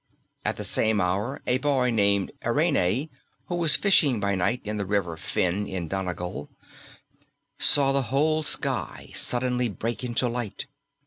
At the same hour a boy named Ernene who was fishing by night in the River Finn in Donegal saw the whole sky suddenly break into light.